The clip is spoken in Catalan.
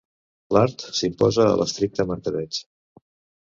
L'art s'imposa a l'estricte mercadeig.